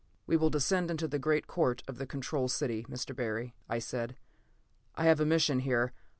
"We will descend into the Great Court of the Control City, Mr. Barry," I said. "I have a mission here.